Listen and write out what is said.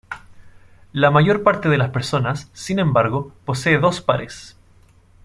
La mayor parte de las personas, sin embargo, posee dos pares.